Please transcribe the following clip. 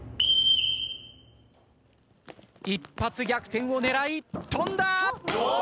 一発逆転を狙い跳んだ！